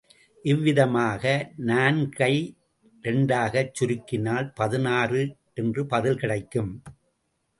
இவ்விதமாக நான்கை இரண்டாகச் சுருக்கினால், பதினாறு என்ற பதில் கிடைக்கும்.